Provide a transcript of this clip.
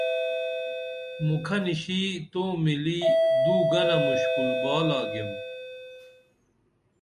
مُکھہ نِشی تو ملی دو گنہ مُشکُل بال آگیم